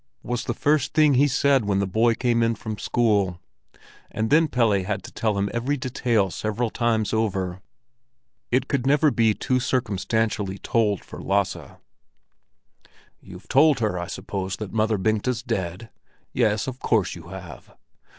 was the first thing he said when the boy came in from school; and then Pelle had to tell him every detail several times over. It could never be too circumstantially told for Lasse. "You've told her, I suppose, that Mother Bengta's dead? Yes, of course you have!